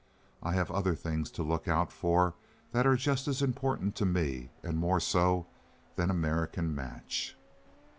I have other things to look out for that are just as important to me, and more so, than American Match."